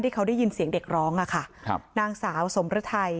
ที่เขาได้ยินเสียงเด็กร้องค่ะนางสาวสมระไทย